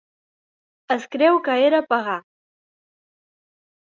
Es creu que era pagà.